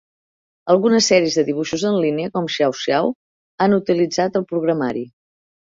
Algunes sèries de dibuixos en línia, com "Xiao Xiao" han utilitzat el programari.